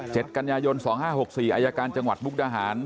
เจ็ดกัญญาโยน๒๕๖๔อายการจังหวัดบุกดาหาร